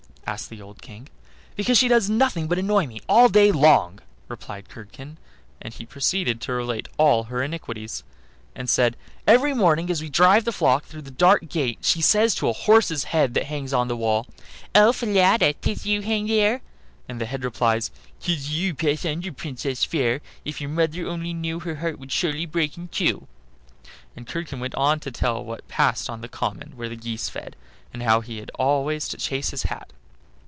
asked the old King. "Because she does nothing but annoy me all day long," replied Curdken; and he proceeded to relate all her iniquities, and said: "Every morning as we drive the flock through the dark gate she says to a horse's head that hangs on the wall: "'Oh! Falada, 'tis you hang there'; and the head replies: "''Tis you; pass under, Princess fair: If your mother only knew, Her heart would surely break in two.'" And Curdken went on to tell what passed on the common where the geese fed, and how he had always to chase his hat.